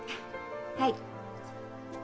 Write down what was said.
はい。